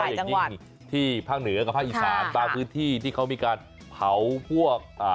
อย่างยิ่งที่ภาคเหนือกับภาคอีสานบางพื้นที่ที่เขามีการเผาพวกอ่า